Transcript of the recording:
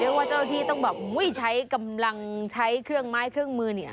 เดี๋ยวว่าเจ้าโดดที่เขาเรียกว่าหนูกำลังใช้เครื่องไม้เครื่องมือเนี่ย